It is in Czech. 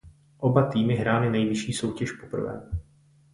Oba týmy hrály nejvyšší soutěž poprvé.